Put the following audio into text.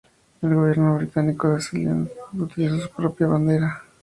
El gobierno británico de Ceilán utilizó su propia bandera.